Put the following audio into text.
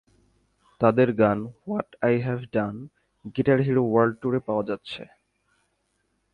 তাদের গান what I have done guitar hero world ট্যুরে পাওয়া যাচ্ছে।